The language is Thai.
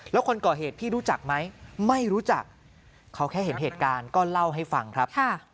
แล้วคนก่อเหตุพี่รู้จักไหมไม่รู้จักเขาแค่เห็นเหตุการณ์ก็เล่าให้ฟังครับ